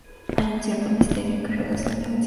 Hay un cierto misterio que rodea su infancia.